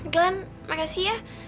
glenn makasih ya